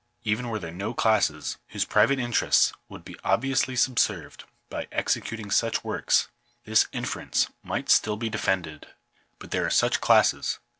Even were there no classes whose private interests would be obviously sub served by executing suoh works, this inference might still be defended. But there are such classes.